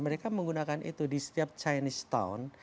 mereka menggunakan itu di setiap chinese town